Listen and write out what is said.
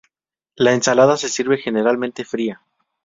La ensalada se sirve generalmente fría.